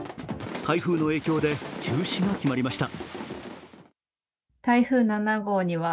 台風の影響で中止が決まりました。